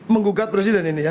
menggugat presiden ini ya